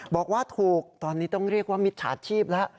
บอกว่าถูกตอนนี้ต้องเรียกว่ามิจฉาชีพแล้ว